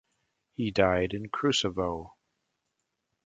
He died in Krusevo.